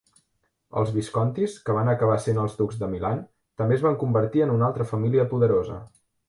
Els Viscontis, que van acabar sent els ducs de Milan, també es van convertir en una altra família poderosa.